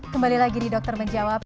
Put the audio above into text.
kembali lagi nih dokter menjawab